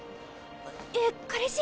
えっ彼氏？